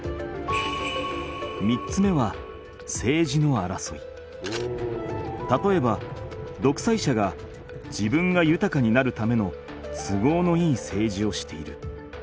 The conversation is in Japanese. ３つ目はたとえばどくさい者が自分がゆたかになるための都合のいい政治をしている。